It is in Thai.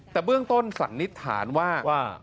แต่เบื้องต้นสันนิษฐานว่า